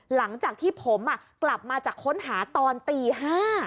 หลังจากที่ผมกลับมาจากค้นหาตอนตี๕